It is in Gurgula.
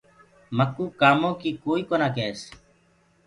مڪوُ ڪآمو ڪيٚ ڪوئي ڪونآ ڪيس۔